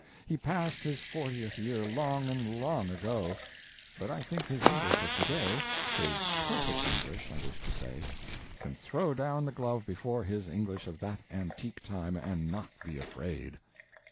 He passed his fortieth year long and long ago; but I think his English of today—his perfect English, I wish to say—can throw down the glove before his English of that antique time and not be afraid.